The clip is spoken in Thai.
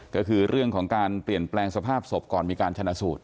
ก็คือเรื่องของการเปลี่ยนแปลงสภาพศพก่อนมีการชนะสูตร